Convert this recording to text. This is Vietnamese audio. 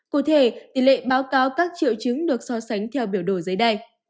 cụ thể tỷ lệ báo cáo các triệu chứng được so sánh theo biểu đồ dưới đây